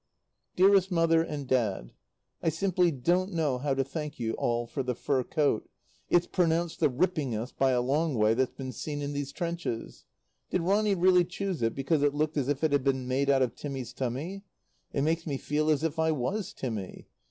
Dearest Mother and Dad, I simply don't know how to thank you all for the fur coat. It's pronounced the rippingest, by a long way, that's been seen in these trenches. Did Ronny really choose it because it "looked as if it had been made out of Timmy's tummy?" It makes me feel as if I was Timmy.